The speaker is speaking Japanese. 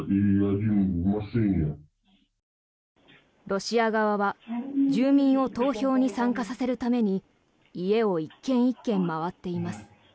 ロシア側は住民を投票に参加させるために家を１軒１軒回っています。